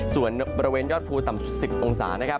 ส่วนบริเวณยอดภูต่ำสุด๑๐องศา